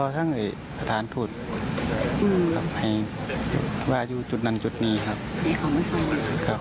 ของผู้อาศัยมันละครับ